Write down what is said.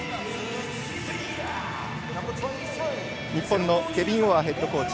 日本のケビン・オアーヘッドコーチ。